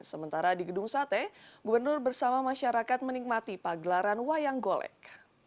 sementara di gedung sate gubernur bersama masyarakat menikmati pagelaran wayang golek